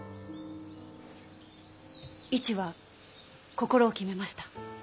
市は心を決めました。